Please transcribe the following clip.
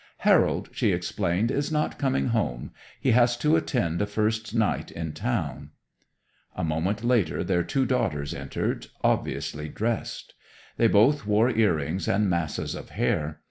"Harold," she explained, "is not coming home. He has to attend a first night in town." A moment later their two daughters entered, obviously "dressed." They both wore earrings and masses of hair.